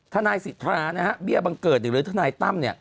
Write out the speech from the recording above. ทนายศิษฐาเบียบังเกิดหรือทนายตั้ม